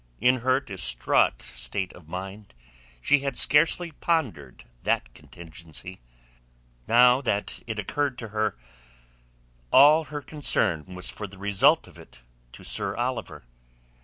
In her distraught state of mind she had scarcely pondered that contingency. Now that it occurred to her all her concern was for the result of it to Sir Oliver.